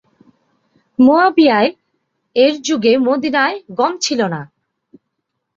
মু‘আবিয়া -এর যুগে মদীনায় গম ছিল না।